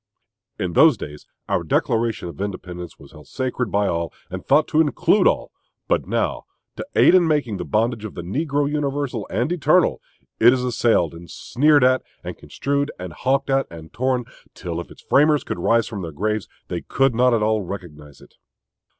In those days, our Declaration of Independence was held sacred by all, and thought to include all; but now, to aid in making the bondage of the negro universal and eternal, it is assailed, and sneered at, and construed and hawked at, and torn, till if its framers could rise from their graves they could not at all recognize it.